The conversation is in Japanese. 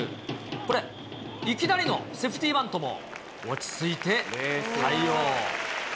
これ、いきなりのセーフティーバントも、落ち着いて対応。